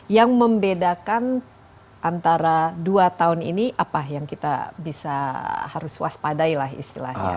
yang membedakan antara dua tahun ini apa yang kita bisa harus waspadai lah istilahnya